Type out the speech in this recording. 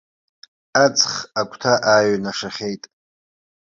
Аҵх агәҭа ааҩнашахьеит.